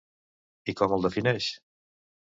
I com el defineix?